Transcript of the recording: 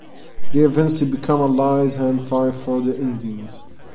They eventually become allies and fight for the Indians.